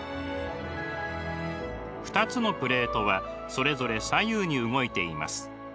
２つのプレートはそれぞれ左右に動いています。